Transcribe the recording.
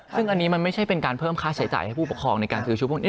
ซึ่งอันนี้มันไม่ใช่เป็นการเพิ่มค่าใช้จ่ายให้ผู้ปกครองในการซื้อชุดพวกนี้